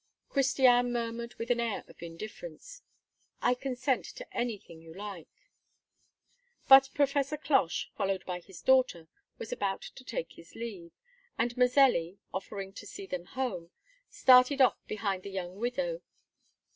Christiane murmured with an air of indifference: "I consent to anything you like." But Professor Cloche, followed by his daughter, was about to take his leave, and Mazelli, offering to see them home, started off behind the young widow.